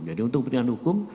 jadi untuk kepentingan hukum